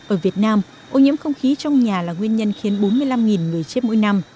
ở việt nam ô nhiễm không khí trong nhà là nguyên nhân khiến bốn mươi năm người chết mỗi năm